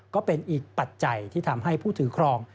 ก็เป็นอีกปัจจัยที่ทำให้ผู้ถือครอง